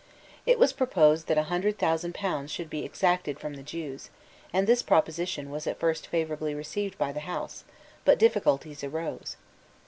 It was proposed that a hundred thousand pounds should be exacted from the Jews; and this proposition was at first favourably received by the House: but difficulties arose.